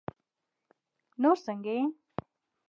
نور سنګه یی